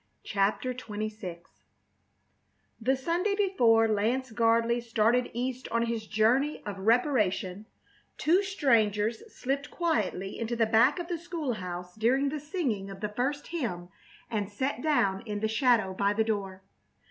CHAPTER XXVI The Sunday before Lance Gardley started East on his journey of reparation two strangers slipped quietly into the back of the school house during the singing of the first hymn and sat down in the shadow by the door.